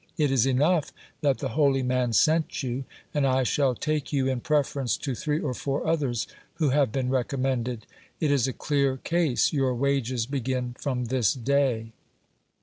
It is enough that the holy man sent you ; and I shall take you in preference to three or four others who have been recommended. It is a clear case ; your wages begin from this day.